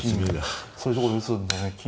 そういうとこに打つんだね金。